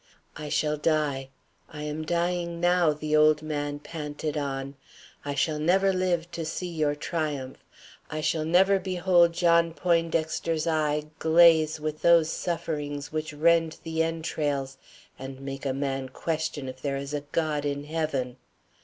"I shall die; I am dying now," the old man panted on. "I shall never live to see your triumph; I shall never behold John Poindexter's eye glaze with those sufferings which rend the entrails and make a man question if there is a God in heaven.